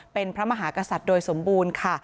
เป็นพระมหากษัตริย์โดยสมบูรณ์ค่ะ